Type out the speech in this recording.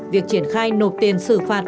việc triển khai nộp tiền xử phạt